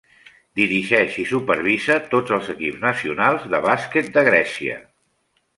Dirigeix i supervisa tots els equips nacionals de bàsquet de Grècia.